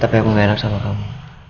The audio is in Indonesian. tapi aku gak enak sama kamu